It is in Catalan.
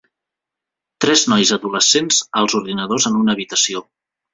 Tres nois adolescents als ordinadors en una habitació.